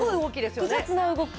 複雑な動き